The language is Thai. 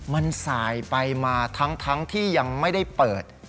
มันสายไปมาทั้งที่ยังไม่ได้เปิด